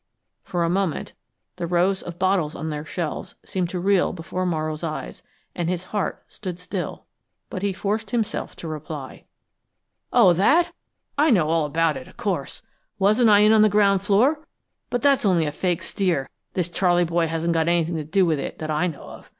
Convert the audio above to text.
For a moment the rows of bottles on their shelves seemed to reel before Morrow's eyes, and his heart stood still, but he forced himself to reply: "Oh, that? I know all about it, of course. Wasn't I in on the ground floor? But that's only a fake steer; this Charley boy hasn't got anything to do with it, that I know of.